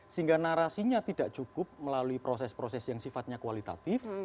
sehingga narasinya tidak cukup melalui proses proses yang sifatnya kualitatif